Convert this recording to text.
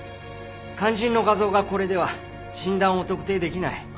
肝心の画像がこれでは診断を特定できない。